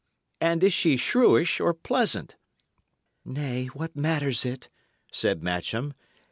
And is she shrewish or pleasant?" "Nay, what matters it?" said Matcham.